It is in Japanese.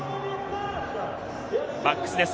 バックスです。